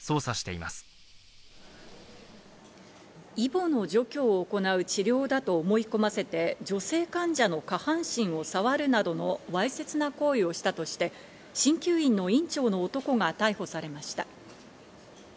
イボの除去を行う治療だと思い込ませて女性患者の下半身を触るなどのわいせつな行為をしたとして、鍼灸院の院長の男が逮捕されました。